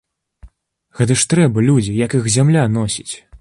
Гэта ж трэба, людзі, як іх зямля носіць?